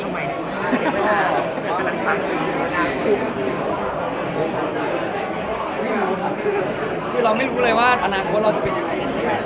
พี่รู้ค่ะคือเราไม่รู้เลยว่าอนาคตเราจะไปไหน